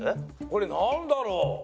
これなんだろう？